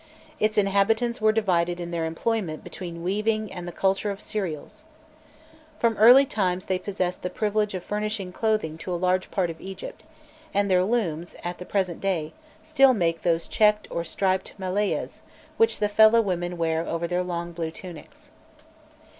Its inhabitants were divided in their employment between weaving and the culture of cereals. From early times they possessed the privilege of furnishing clothing to a large part of Egypt, and their looms, at the present day, still make those checked or striped "melayahs" which the fellah women wear over their long blue tunics.